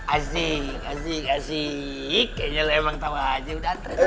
asik asik asik kayaknya lo emang tau aja udah antre